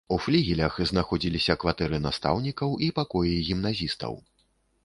У флігелях знаходзіліся кватэры настаўнікаў і пакоі гімназістаў.